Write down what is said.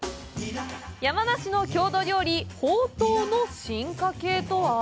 山梨の郷土料理ほうとうの進化系とは？